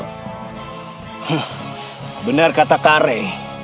hmm benar kata kare